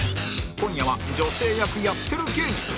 今夜は女性役やってる芸人